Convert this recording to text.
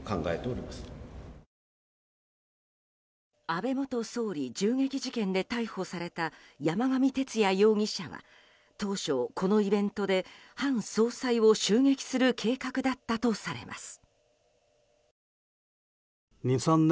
安倍元総理銃撃事件で逮捕された山上徹也容疑者は当初、このイベントで韓総裁を襲撃する計画だったとされます。